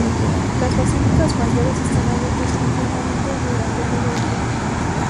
Las basílicas mayores están abiertas continuamente durante todo el día.